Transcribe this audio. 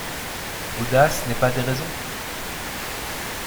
Audace n'est pas déraison